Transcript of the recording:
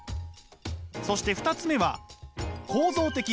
そして２つ目は構造的暴力。